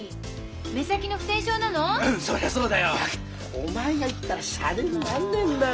お前が言ったらシャレになんねえんだよ。